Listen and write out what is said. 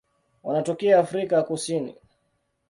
Wanatokea Afrika ya Kusini.